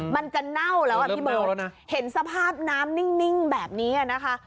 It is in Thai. มันจะเน่าแล้วอ่ะพี่เบิร์ตเห็นสภาพน้ำนิ่งแบบนี้นะคะ